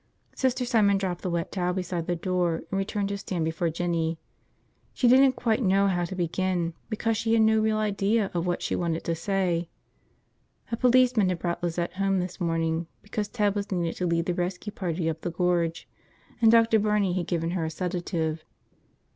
Sister Simon dropped the wet towel beside the door and returned to stand before Lizette. She didn't quite know how to begin because she had no real idea of what she wanted to say. A policeman had brought Lizette home this morning because Ted was needed to lead the rescue party up the Gorge, and Dr. Barney had given her a sedative.